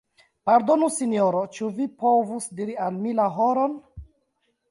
Pardonu Sinjoro, ĉu vi povus diri al mi la horon?